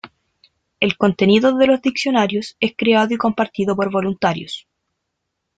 El contenido de los diccionarios es creado y compartido por voluntarios.